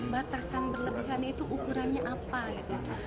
batasan berlebihan itu ukurannya apa gitu